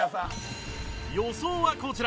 予想はこちら